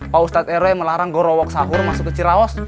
pausat rw melarang gorowok sahur masuk ke ciraos